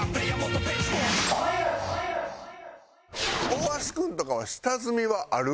大橋君とかは下積みはある？